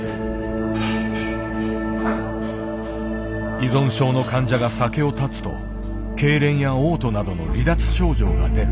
依存症の患者が酒を断つとけいれんやおう吐などの離脱症状が出る。